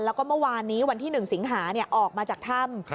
แล้วก็เมื่อวานนี้วันที่๑สิงหาออกมาจากถ้ำ